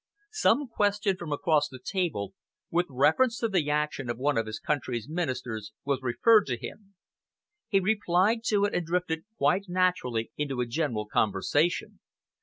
Some question from across the table, with reference to the action of one of his country's Ministers, was referred to him. He replied to it and drifted quite naturally into a general conversation.